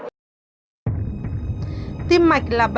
bệnh lý tim mạch là bệnh lý tương đối